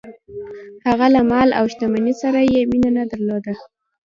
هغه له مال او شتمنۍ سره یې مینه نه درلوده.